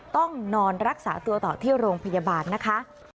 ต้องนอนรักษาตัวต่อที่โรงพยาบาลนะคะ